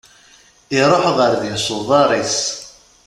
Iruḥ ɣer din s uḍar-is.